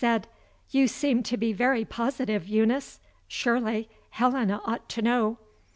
said: "You seem to be very positive, Eunice. Surely, Helena ought to know."